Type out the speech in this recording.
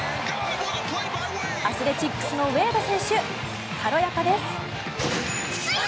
アスレチックスのウェード選手軽やかです。